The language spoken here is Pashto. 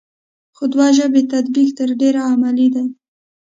خو دوه ژبې تطبیق تر ډېره عملي دی ا